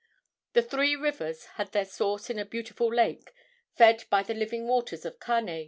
The three rivers had their source in a beautiful lake, fed by "the living waters of Kane."